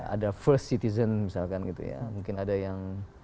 ada first citizen misalkan gitu ya mungkin ada yang